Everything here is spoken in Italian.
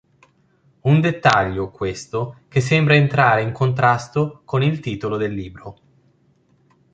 Un dettaglio, questo, che sembra entrare in contrasto con il titolo del libro.